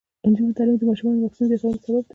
د نجونو تعلیم د ماشومانو واکسین زیاتولو سبب دی.